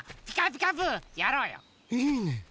いいね！